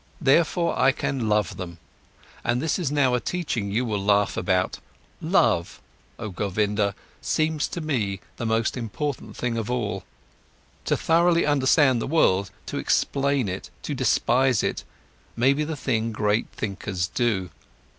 Therefore, I can love them. And this is now a teaching you will laugh about: love, oh Govinda, seems to me to be the most important thing of all. To thoroughly understand the world, to explain it, to despise it, may be the thing great thinkers do.